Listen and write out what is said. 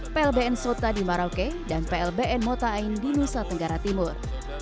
plbn sota di marauke dan plbn motain di nusa tenggara timur